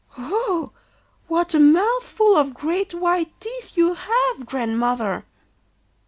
'Oh! what a mouthful of great white teeth you have, Grandmother!